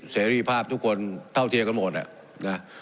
เสรีภาพทุกคนเท่าเทียมกันหมดอ่ะนะ